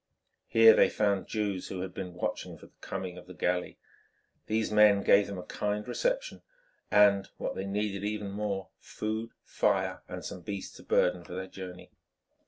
Here they found Jews who had been watching for the coming of the galley. These men gave them a kind reception, and, what they needed even more, food, fire and some beasts of burden for their journey.